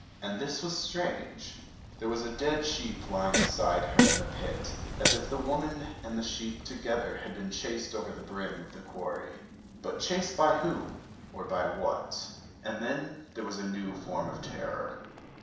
And this was strange: there was a dead sheep lying beside her in the pit, as if the woman and the sheep together had been chased over the brim of the quarry. But chased by whom, or by what? And then there was a new form of terror.